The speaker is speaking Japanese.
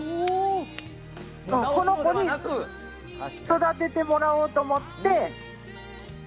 この子に育ててもらおうと思って。